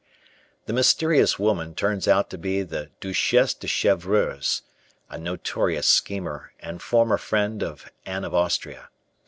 The mysterious woman turns out to be the Duchesse de Chevreuse, a notorious schemer and former friend of Anne of Austria.